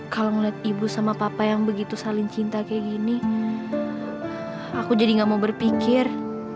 kalau ngeliat ibu sama papa yang begitu saling cinta kayak gini aku jadi gak mau berpikir